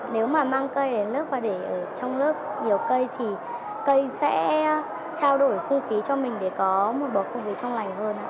nếu mà mang cây đến lớp và để ở trong lớp nhiều cây thì cây sẽ trao đổi khung khí cho mình để có một bầu không khí trong lành hơn